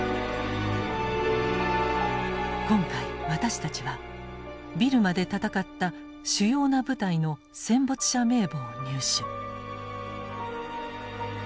今回私たちはビルマで戦った主要な部隊の戦没者名簿を入手。